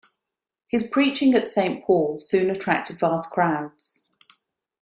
His preaching at Saint Paul's soon attracted vast crowds.